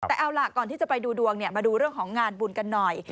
แต่เอาล่ะก่อนที่จะไปดูดวงมาดูเรื่องของงานบุญกันหน่อย